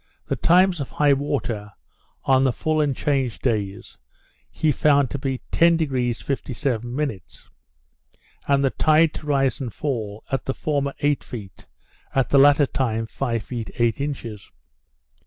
The times of high water, on the full and change days, he found to be at 10° 57', and the tide to rise and fall, at the former eight feet, at the latter five feet eight inches.